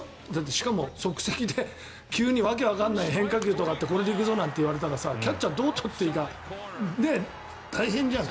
しかも、即席で急に訳わからない変化球とかこれでいくぞなんていわれたらキャッチャーどうとっていいのか大変じゃん。